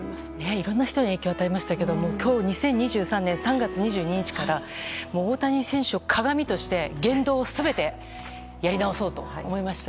いろんな人に影響与えましたけど今日２０２３年３月２２日から大谷選手を鑑として言動を全てやり直そうと思いました。